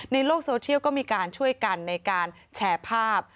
ในโลกโซเชียลก็มีการช่วยกันในการแชร์ภาพ